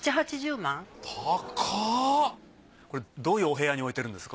これどういうお部屋に置いてるんですか？